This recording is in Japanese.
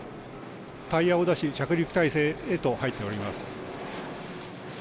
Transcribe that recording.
タイヤを出し着陸態勢へと入っています。